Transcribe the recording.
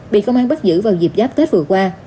bị công an bắt giữ vào dịp giáp tết vừa qua